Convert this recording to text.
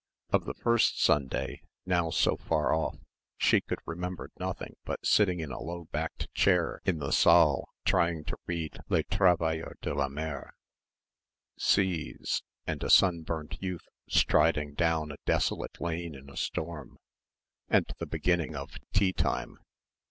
Of the first Sunday, now so far off, she could remember nothing but sitting in a low backed chair in the saal trying to read "Les Travailleurs de la Mer" ... seas ... and a sunburnt youth striding down a desolate lane in a storm ... and the beginning of tea time.